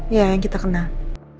iya yang kita kenal